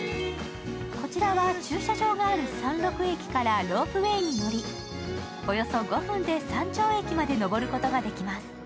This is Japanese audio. こちらは駐車場がある山麓駅からロープウエーに乗りおよそ５分で山頂駅まで上ることができます。